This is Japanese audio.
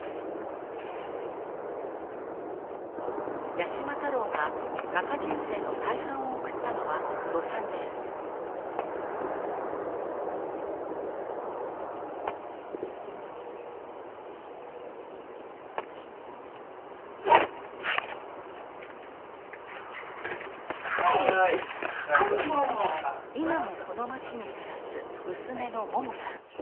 八島太郎が画家人生の大半を送ったのは今もこの町に暮らす娘のモモさん。